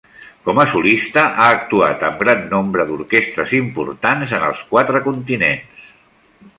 Com a solista ha actuat amb gran nombre d'orquestres importants en els quatre continents.